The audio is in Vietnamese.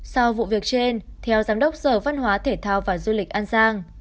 sau vụ việc trên theo giám đốc sở văn hóa thể thao và du lịch an giang